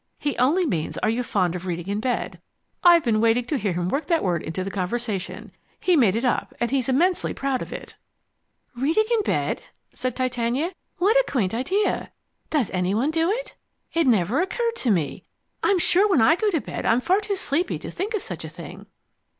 "He only means are you fond of reading in bed. I've been waiting to hear him work that word into the conversation. He made it up, and he's immensely proud of it." "Reading in bed?" said Titania. "What a quaint idea! Does any one do it? It never occurred to me. I'm sure when I go to bed I'm far too sleepy to think of such a thing."